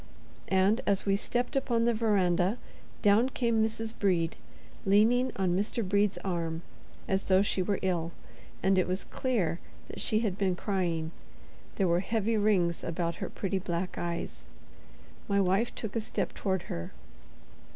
And, as we stepped upon the verandah, down came Mrs. Brede, leaning on Mr. Brede's arm, as though she were ill; and it was clear that she had been crying. There were heavy rings about her pretty black eyes. My wife took a step toward her.